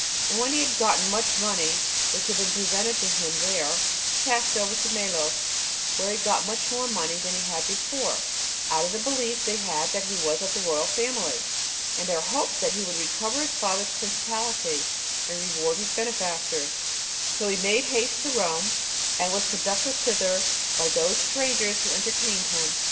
And when he had gotten much money which had been presented to him there, he passed over to Melos, where he got much more money than he had before, out of the belief they had that he was of the royal family, and their hopes that he would recover his father's principality, and reward his benefactors; so he made haste to Rome, and was conducted thither by those strangers who entertained him.